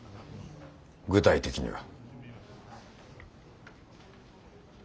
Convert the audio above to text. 具体的には？